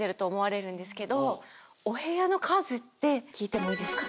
お部屋の数って聞いてもいいですか？